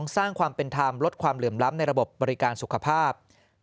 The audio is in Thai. สร้างความเป็นธรรมลดความเหลื่อมล้ำในระบบบริการสุขภาพ